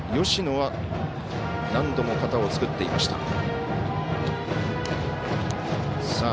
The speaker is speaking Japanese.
芳野は何度も肩を作っていました。